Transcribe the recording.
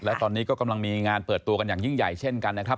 และตอนนี้ก็กำลังมีงานเปิดตัวกันอย่างยิ่งใหญ่เช่นกันนะครับ